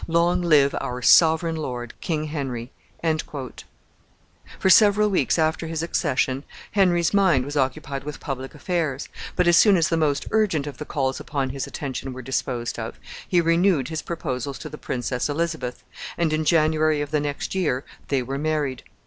Long live our sovereign lord, King Henry!" For several weeks after his accession Henry's mind was occupied with public affairs, but, as soon as the most urgent of the calls upon his attention were disposed of, he renewed his proposals to the Princess Elizabeth, and in January of the next year they were married.